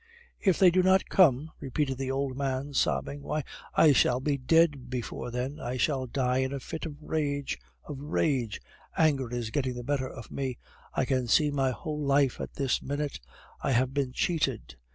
"If they do not come?" repeated the old man, sobbing. "Why, I shall be dead before then; I shall die in a fit of rage, of rage! Anger is getting the better of me. I can see my whole life at this minute. I have been cheated!